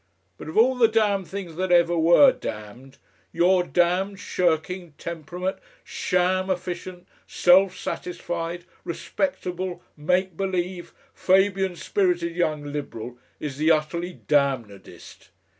But of all the damned things that ever were damned, your damned shirking, temperate, sham efficient, self satisfied, respectable, make believe, Fabian spirited Young Liberal is the utterly damnedest."